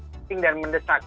penting dan mendesak